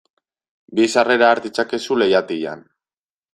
Bi sarrera har ditzakezu leihatilan.